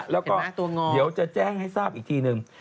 แล้วก็เดี๋ยวจะแจ้งให้ทราบอีกทีหนึ่ง